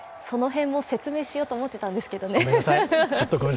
その辺も説明しようと思ってたんですけどね。